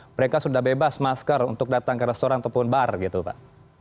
mereka sudah bebas masker untuk datang ke restoran ataupun bar gitu pak